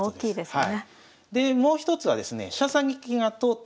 はい。